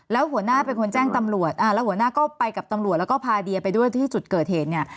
แล้วหัวหน้าเป็นคนแจ้งตำรวจแล้วหัวหน้าก็ไปกับตำรวจแล้วก็พาเดียไปด้วยที่จุดเกิดเหตุเนี่ย